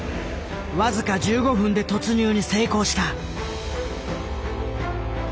僅か１５分で突入に成功した。